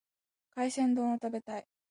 海鮮丼を食べたい。